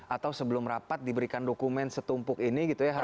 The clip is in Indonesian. atau sebelum rapat diberikan dokumen setumpuk ini gitu ya